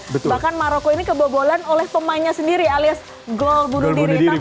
bahkan maroko ini kebobolan oleh pemainnya sendiri alias gol bunuh diri